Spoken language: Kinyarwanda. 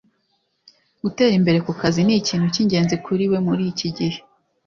Gutera imbere kukazi nikintu cyingenzi kuri we muriki gihe